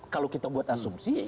kalau kita buat asumsi